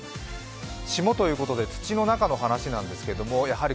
霜ということで土の中の話なんですけどやはり